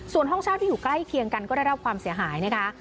ส่วนห้องเช่าที่อยู่ใกล้เคียงกันก็ได้รับความเสียหายนะคะ